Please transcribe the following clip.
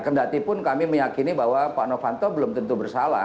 kendatipun kami meyakini bahwa pak novanto belum tentu bersalah